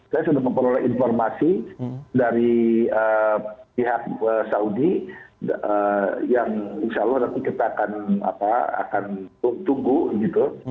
saya sudah memperoleh informasi dari pihak saudi yang insya allah nanti kita akan tunggu gitu